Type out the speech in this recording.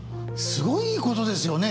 すごいいいことですよね